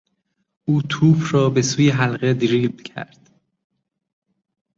او توپ را به سوی حلقه دریبل کرد.